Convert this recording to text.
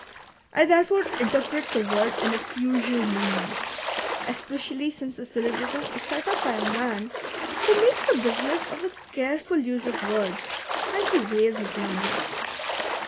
I therefore interpret the woi'd in its usual meaning, especially since the syllogism is set up by a man who makes a business of the careful use of words, and who weighs his language.